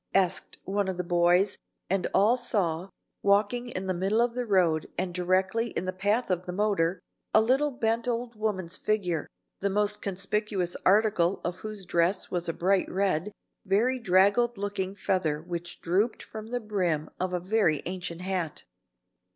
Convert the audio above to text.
asked one of the boys, and all saw, walking in the middle of the road and directly in the path of the motor, a little bent old woman's figure, the most conspicuous article of whose dress was a bright red, very draggled looking feather which drooped from the brim of a very ancient hat.